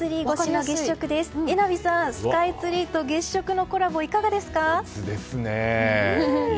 榎並さん、スカイツリーと月食のコラボいかがですか。